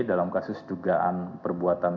dalam kasus dugaan perbuatan